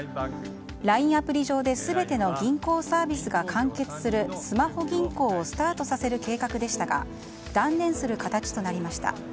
ＬＩＮＥアプリ上で全ての銀行サービスが完結する、スマホ銀行をスタートさせる計画でしたが断念する形となりました。